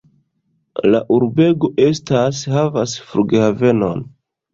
La urbego estas havas flughavenon.